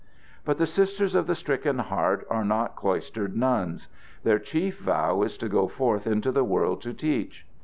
But the Sisters of the Stricken Heart are not cloistered nuns. Their chief vow is to go forth into the world to teach.